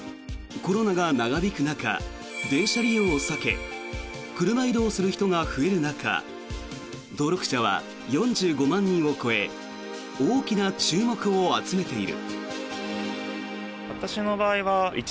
コロナが長引く中電車利用を避け車移動する人が増える中登録者は４５万人を超え大きな注目を集めている。